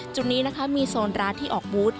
จุดนี้นะคะมีโซนร้านที่ออกบูธ